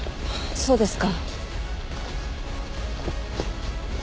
そうですか。